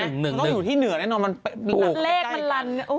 ได้ไหมมันต้องอยู่ที่เหนือแน่นอนมันต้องอยู่ใกล้มันลันด้วย